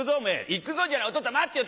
「『行くぞ』じゃないおとっつぁん待ってよ。